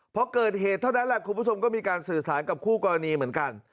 พอเกิดเหตุเท่านั้นแหละคุณผู้ชมก็มีการสื่อสารกับคู่กรณีเหมือนกัน